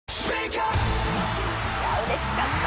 「いや嬉しかった」